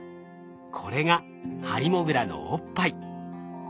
これがハリモグラのおっぱい。